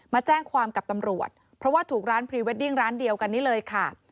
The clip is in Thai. มาแจ้งความกับตำรวจเพราะว่าถูกร้านพรีเวดดิ้งร้านเดียวกันนี้เลยค่ะ